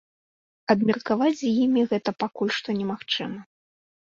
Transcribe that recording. Абмеркаваць з імі гэта пакуль што немагчыма.